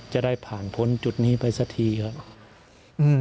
จะได้ผ่านพ้นจุดนี้ไปสักทีครับ